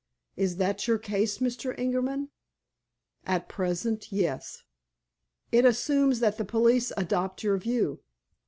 "Is that your case, Mr. Ingerman?" "At present, yes." "It assumes that the police adopt your view."